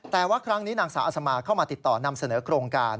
แต่ว่าครั้งนี้นางสาวอัศมาเข้ามาติดต่อนำเสนอโครงการ